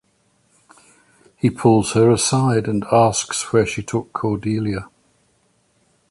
He pulls her aside and asks where she took Cordelia.